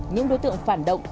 những đối tượng phản động